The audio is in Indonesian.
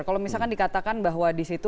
kalau misalkan dikatakan bahwa disitu